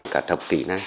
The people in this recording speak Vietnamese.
cả thập kỷ này